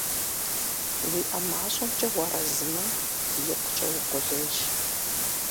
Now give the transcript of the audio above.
УиӀэ мащӀэмкӀэ уарэзымэ, икъукӀэ укъулейщ.